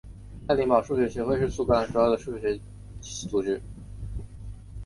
爱丁堡数学学会是苏格兰主要的数学组织。